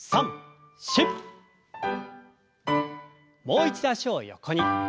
もう一度脚を横に。